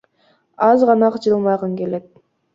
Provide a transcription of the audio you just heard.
Аз гана жылмайгың келет.